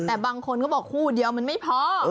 แต่บางคนก็บอกคู่เดียวมันไม่พอ